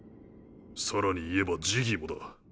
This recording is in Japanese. さらに言えばジギーもだ。